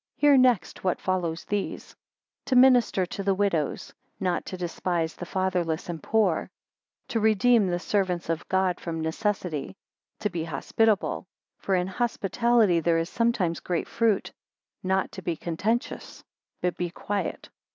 Hear next what follow these. 10 To minister to the widows; not to despise the fatherless and poor; to redeem the servants of God from necessity; to be hospitable (for in hospitality there is sometimes great fruit); not to be contentious, but be quiet.